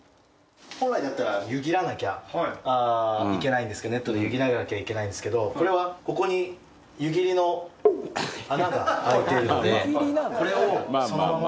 本来だったら湯切らなきゃいけないんですけどネットで湯切らなきゃいけないんですけどこれはここに湯切りの穴が開いているのでこれをそのまま。